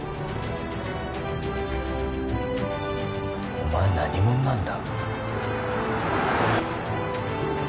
お前何者なんだ？